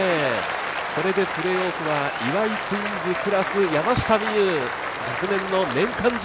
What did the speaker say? これでプレーオフは岩井ツインズプラス山下美夢有。